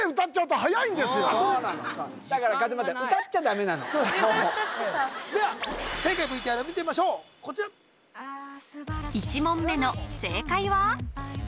そうですだから勝俣・歌っちゃってたでは正解ＶＴＲを見てみましょうこちら１問目の正解は？